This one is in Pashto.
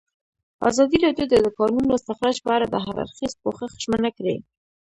ازادي راډیو د د کانونو استخراج په اړه د هر اړخیز پوښښ ژمنه کړې.